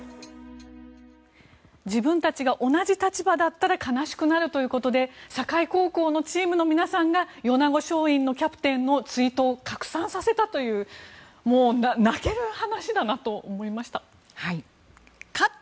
自分たちが同じ立場だったら悲しくなるということで境高校のチームの皆さんが米子松蔭のキャプテンのツイートを拡散させたというもう泣ける話だなと思いました。